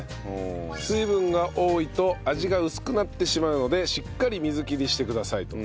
水分が多いと味が薄くなってしまうのでしっかり水切りしてくださいと。